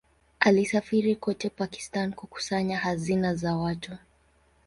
Alisafiri kote Pakistan kukusanya hazina za watu.